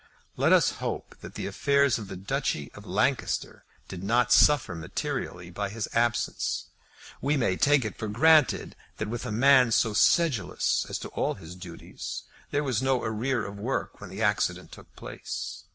Let us hope that the affairs of the Duchy of Lancaster did not suffer materially by his absence. We may take it for granted that with a man so sedulous as to all his duties there was no arrear of work when the accident took place.